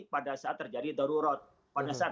pada saat terjadi darurat pada saat